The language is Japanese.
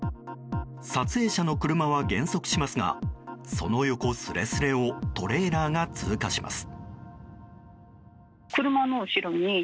撮影者の車は減速しますがその横すれすれをトレーラーが通過します。